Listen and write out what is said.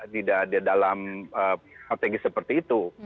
tidak di dalam strategi seperti itu